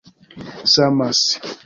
samas